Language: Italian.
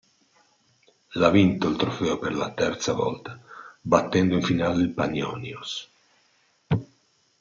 L' ha vinto il trofeo per la terza volta, battendo in finale il Panionios.